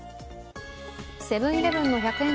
セブン−イレブンの１００円